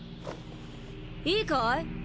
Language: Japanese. いいかい？